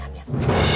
pak de makan